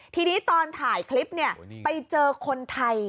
ทีนี้ตอนถ่ายคลิปไปเจอคนไทย